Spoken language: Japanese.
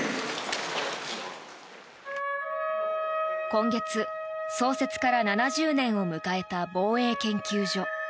今月、創設から７０年を迎えた防衛研究所。